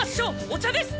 お茶です！